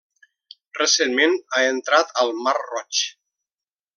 Recentment ha entrat al Mar Roig.